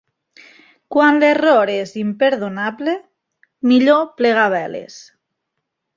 Quan l'error és imperdonable, millor plegar veles.